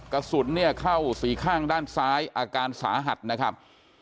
กระสุนเนี่ยเข้าสีข้างด้านซ้ายอาการสาหัสนะครับ